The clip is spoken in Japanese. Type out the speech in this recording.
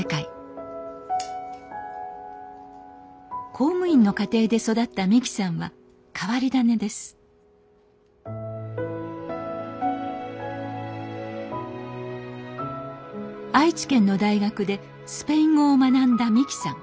公務員の家庭で育った美紀さんは変わり種です愛知県の大学でスペイン語を学んだ美紀さん。